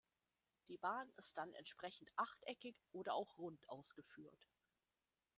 Die Bahn ist dann entsprechend achteckig oder auch rund ausgeführt.